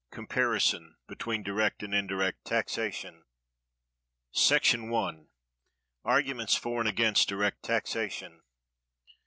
Comparison Between Direct And Indirect Taxation. § 1. Arguments for and against direct Taxation.